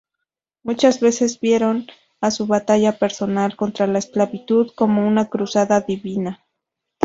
Muchas veces vieron a su batalla personal contra la esclavitud como una cruzada divina.